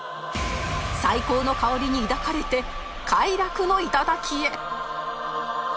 最高の香りに抱かれて快楽の頂へ